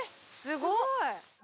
すごい。